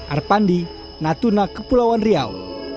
arpandi natuna kepulauan riau